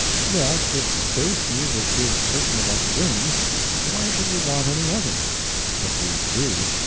Yet if base music gives certain of us wings, why should we want any other? But we do.